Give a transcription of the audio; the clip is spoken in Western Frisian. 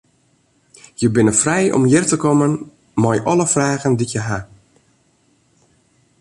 Je binne frij om hjir te kommen mei alle fragen dy't je ha.